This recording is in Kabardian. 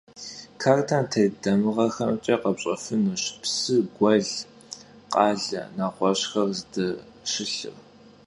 Kartem têt damığexemç'e khepş'efınuş psı, guel, khale, neğueş'xer zdeşılhır.